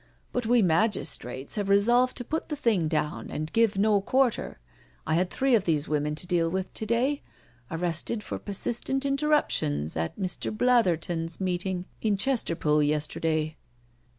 But we magistrates have resolved to put the thing down, and give no quarter. I had three of these women to deal with to day, arrested for persistent interruptions at Mr. Blatberton*s meeting in Chesterpool yesterday."